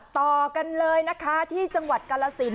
ต่อกันเลยนะคะที่จังหวัดกาลสิน